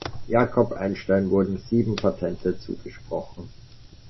Jacob Einstein wurden sieben Patente zugesprochen.